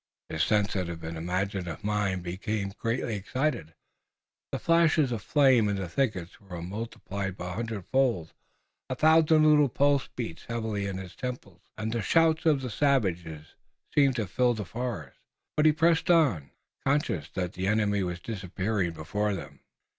His sensitive and imaginative mind became greatly excited. The flashes of flame in the thickets were multiplied a hundred fold, a thousand little pulses beat heavily in his temples, and the shouts of the savages seemed to fill the forest. But he pressed on, conscious that the enemy was disappearing before them.